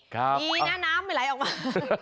ดีนะน้ำไม่ไหลออกมา